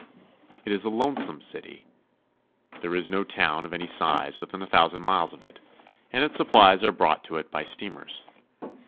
It is a lonesome city. There is no town of any size within a thousand miles of it, and its supplies are brought to it by steamers.